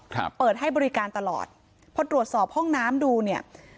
ครับเปิดให้บริการตลอดพอตรวจสอบห้องน้ำดูเนี่ย